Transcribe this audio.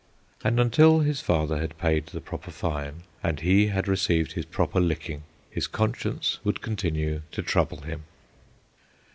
And until his father had paid the proper fine, and he had received his proper licking, his conscience would continue to trouble him.